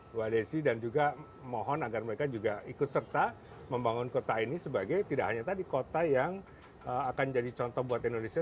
bu adesi dan juga mohon agar mereka juga ikut serta membangun kota ini sebagai tidak hanya tadi kota yang akan jadi contoh buat indonesia